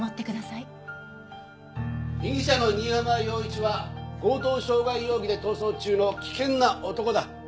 被疑者の新浜陽一は強盗傷害容疑で逃走中の危険な男だ。